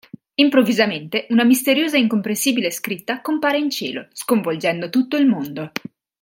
Improvvisamente una misteriosa ed incomprensibile scritta compare in cielo, sconvolgendo tutto il mondo.